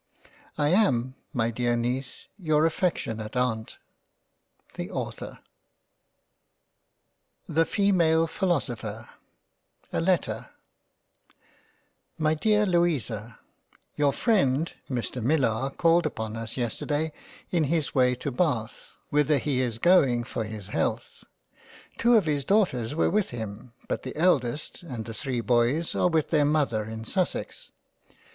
— I am my dear Neice Your affectionate Aunt The Author. ££SCRAPS££ THE FEMALE PHILOSOPHER A LETTER My dear Louisa YOUR friend Mr Millar called upon us yesterday in his way to Bath, whither he is going for his health; two of his daughters were with him, but the eldest and the three Boys are with their Mother in Sussex.